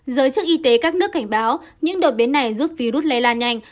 giới chức y tế các nước cảnh báo những đột biến này giúp virus lây lan nhanh